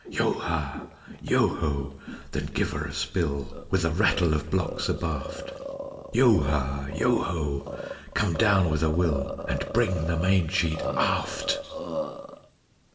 Yo ha! Yo ho! Then give her a spill With a rattle of blocks abaft. Yo ha! Yo ho! Come down with a will And bring the main sheet aft.